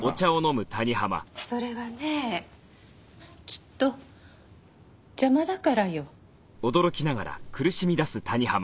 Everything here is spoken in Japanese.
それはねきっと邪魔だからよ。